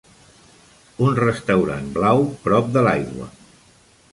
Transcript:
Un restaurant blau prop de l'aigua.